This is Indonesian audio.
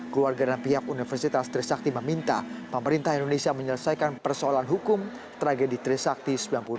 keluarga dan pihak universitas trisakti meminta pemerintah indonesia menyelesaikan persoalan hukum tragedi trisakti sembilan puluh delapan